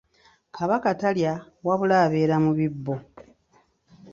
Kabaka talya wabula abeera mu bibbo.